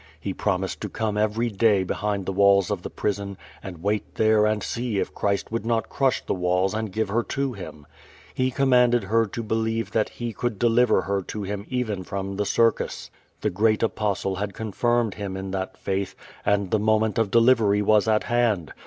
He ]>romised to come every day behind the walls of the prison, and wait there and see if Christ would not crush the walls and give her to him. He commanded her to believe that He could deliver her to him even from the circus. The great Apostle had confirmed him in that faith, and the moment of delivery was at hand.